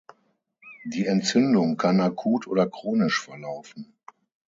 Die Entzündung kann akut oder chronisch verlaufen.